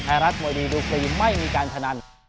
แทรศมดีดูกลีไม่มีการทะนัน